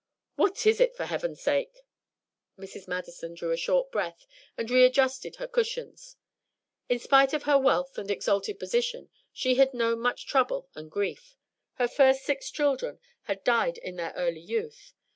"What is it, for heaven's sake?" Mrs. Madison drew a short breath and readjusted her cushions. In spite of her wealth and exalted position she had known much trouble and grief. Her first six children had died in their early youth.